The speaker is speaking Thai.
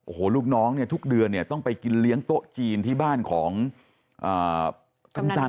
โอ้โหลูกน้องเนี่ยทุกเดือนเนี่ยต้องไปกินเลี้ยงโต๊ะจีนที่บ้านของกัปตัน